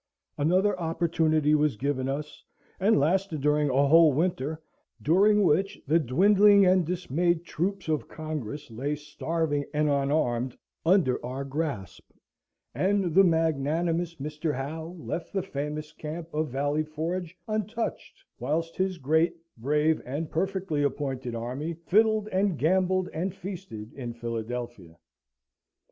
Another opportunity was given us, and lasted during a whole winter, during which the dwindling and dismayed troops of Congress lay starving and unarmed under our grasp, and the magnanimous Mr. Howe left the famous camp of Valley Forge untouched, whilst his great, brave, and perfectly appointed army fiddled and gambled and feasted in Philadelphia.